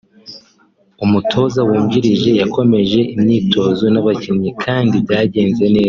umutoza wungirije yakomeje imyitozo n’abakinnyi kandi byagenze neza